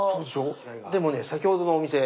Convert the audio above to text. でもね先ほどのお店